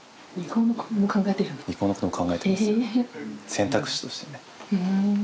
選択肢としてね。